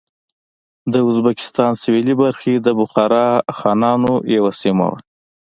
د ازبکستان سوېلې برخې د بخارا خانانو یوه سیمه وه.